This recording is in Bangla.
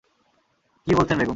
কি বলছেন বেগম!